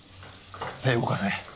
手動かせ。